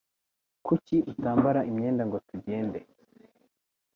Kuki utambara imyenda ngo tujyende?